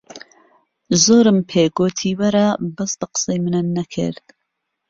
زۆرم پێ گۆتی وەرە، بەس بە قسەی منت نەکرد.